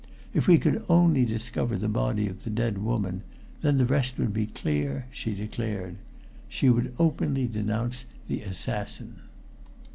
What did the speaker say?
If we could only discover the body of the dead woman, then the rest would be clear, she declared. She would openly denounce the assassin.